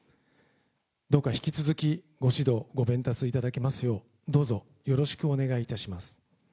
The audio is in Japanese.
どうか引き続きご指導、ごべんたつ頂けますよう、どうぞよろしくお願いいたします。